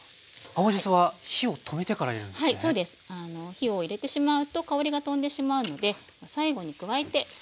火を入れてしまうと香りが飛んでしまうので最後に加えてサッと炒め合わせます。